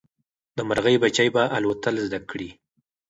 د مرغۍ بچي به الوتل زده کړي.